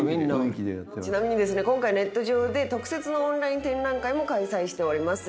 ちなみに今回ネット上で特設のオンライン展覧会も開催しております。